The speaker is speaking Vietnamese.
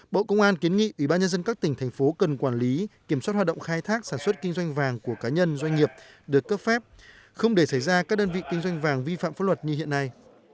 bộ công an kiến nghị ủy ban nhân dân các tỉnh thành phố cần quản lý kiểm soát hoạt động khai thác sản xuất kinh doanh vàng của cá nhân doanh nghiệp được cấp phép không để xảy ra các đơn vị kinh doanh vàng vi phạm pháp luật như hiện nay